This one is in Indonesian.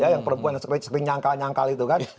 yang perempuan yang sering nyangkal nyangkal itu kan